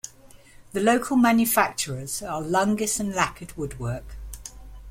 The local manufactures are lungis and lacquered woodwork.